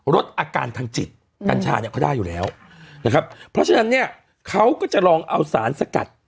ลดอาการทางจิตกัญชาเนี่ยเขาได้อยู่แล้วนะครับเพราะฉะนั้นเนี่ยเขาก็จะลองเอาสารสกัด